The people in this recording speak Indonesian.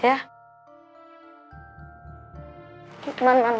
iya jangan jangan dia nangis